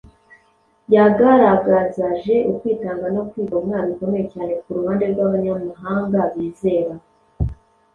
yagaragazaje ukwitanga no kwigomwa bikomeye cyane ku ruhande rw’abanyamahanga bizera.